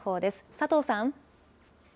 佐藤さん。